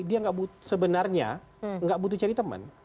dia sebenarnya nggak butuh cari teman